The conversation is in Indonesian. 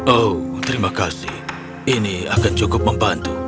oh terima kasih ini akan cukup membantu